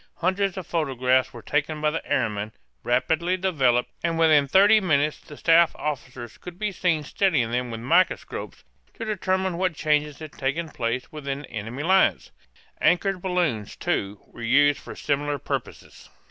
Hundreds of photographs were taken by the airmen, rapidly developed, and within thirty minutes the staff officers could be seen studying them with microscopes to determine what changes had taken place within the enemy's lines. Anchored balloons, too, were used for similar purposes.